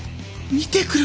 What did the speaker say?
見てくる。